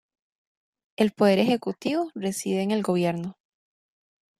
El poder ejecutivo reside en el Gobierno.